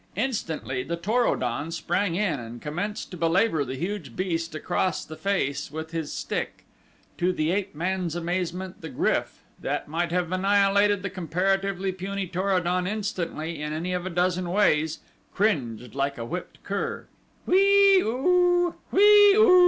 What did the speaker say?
Instantly the Tor o don sprang in and commenced to belabor the huge beast across the face with his stick. To the ape man's amazement the GRYF, that might have annihilated the comparatively puny Tor o don instantly in any of a dozen ways, cringed like a whipped cur. "Whee oo! Whee oo!"